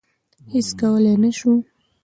هیڅ کولای نه سوای.